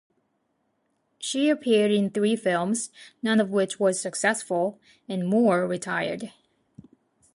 She appeared in three films, none of which was successful, and Moore retired.